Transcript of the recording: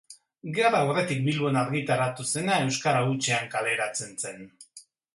Gerra aurretik Bilbon argitaratu zena euskara hutsean kaleratzen zen.